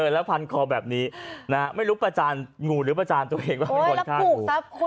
แล้วพันคอแบบนี้ไม่รู้ประจานงูหรือประจานตัวเองว่าเป็นคนฆ่างู